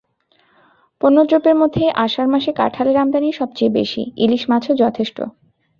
পণ্যদ্রব্যের মধ্যে এই আষাঢ় মাসে কাঁঠালের আমদানিই সব চেয়ে বেশি, ইলিশ মাছও যথেষ্ট।